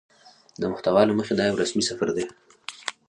د محتوا له مخې دا يو رسمي سفر دى